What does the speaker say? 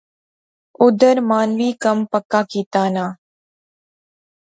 اودھر مانویں کم پکا کیتیا نا